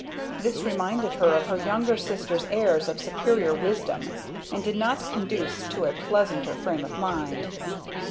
This reminded her of her younger sister's airs of superior wisdom, and did not conduce to a pleasanter frame of mind.